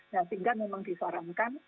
sehingga memang disarankan